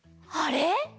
あれ？